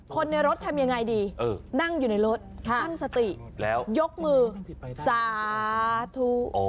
คนในรถทำยังไงดีนั่งอยู่ในรถตั้งสติแล้วมือสาธุ